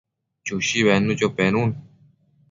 Chushi bednucho penun